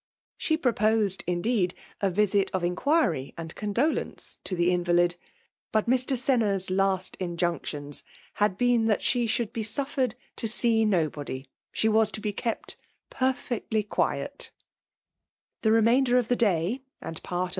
She proposed, indeed, a visit of inqunry and con^ ixAsmte to the invalid; but Mr. Senna*s last M|Dsetions had been that she should be sa£ ifn^ to see nobody.; 9]ie waa to hp k^t^per* . &ctty. quiet < The remAinider of the day, and part of.